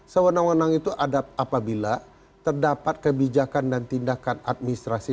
sewenang wenang itu apabila terdapat kebijakan dan tindakan administrasi